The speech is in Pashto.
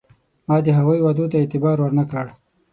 ما د هغوی وعدو ته اعتبار ور نه کړ.